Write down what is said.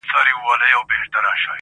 مرغکیو به نارې پسي وهلې.!